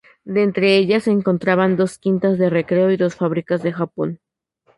De entre ellas se encontraban dos quintas de recreo y dos fábricas de jabón.